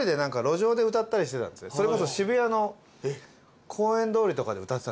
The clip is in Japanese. それこそ渋谷の公園通りとかで歌ってたんです僕。